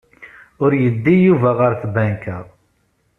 Ur yeddi Yuba ɣer tbanka.